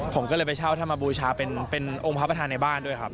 ผมก็เลยไปเช่าธรรมบูชาเป็นองค์พระประธานในบ้านด้วยครับ